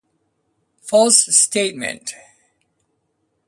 Hamilton, Ford, Seward, and Hodgeman counties enlarged and Finney County was created.